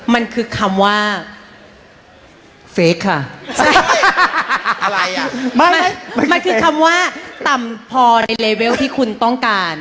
มันคือคำว่าเฟคค่ะอะไรอ่ะบ้างไหมมันคือคำว่าต่ำพอในเลเวลที่คุณต้องการ